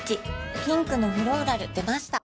ピンクのフローラル出ました